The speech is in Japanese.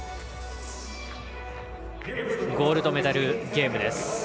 ゴールドメダルゲームです。